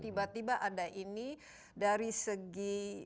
tiba tiba ada ini dari segi